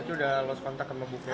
itu sudah loskontak sama bu fairoh